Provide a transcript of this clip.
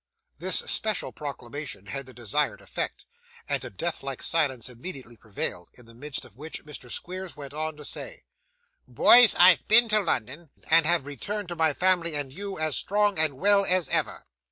This special proclamation had the desired effect, and a deathlike silence immediately prevailed, in the midst of which Mr. Squeers went on to say: 'Boys, I've been to London, and have returned to my family and you, as strong and well as ever.